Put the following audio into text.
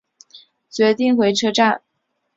决定回车站